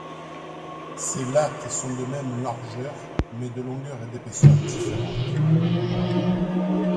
Ces lattes sont de même largeur, mais de longueur et d'épaisseur différentes.